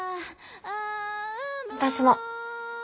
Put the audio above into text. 私も。